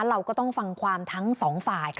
เราก็ต้องฟังความทั้งสองฝ่าย